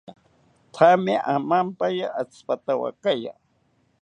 Thame amampaya atzipatawakaya